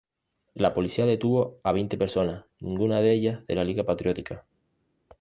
La policía detuvo a veinte personas, ninguna de ellas de la Liga Patriótica.